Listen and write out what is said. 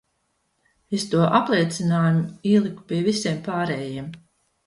Es to apliecinājumu ieliku pie visiem pārējiem.